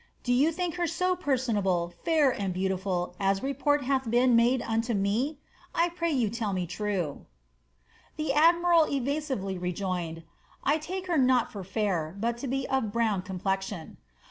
Do you think her so per sonable, ^r, and beautiful, as report hath been made unto me ? I pray you tell me true. The admiral eraaively rejoined, ^ I take her not for /air, but to be of a hrmon complexion.''